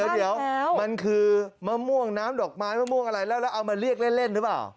เดี๋ยวมันคือมะม่วงน้ำดอกไม้มะม่วงอะไรแล้วเอามาเรียกเล่นหรือเปล่า